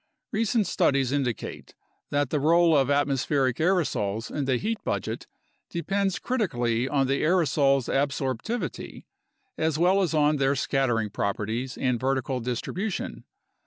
Recent studies indicate that the role of atmospheric aerosols in the heat budget depends critically on the aerosols' absorptivity, as well as on their scattering properties and vertical distribution.